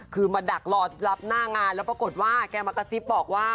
คือมาดักรอรับหน้างานแล้วปรากฏว่าแกมากระซิบบอกว่า